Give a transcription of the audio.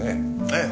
ええ。